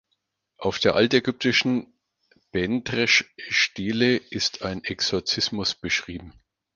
Auf der altägyptischen Bentresch-Stele ist ein Exorzismus beschrieben.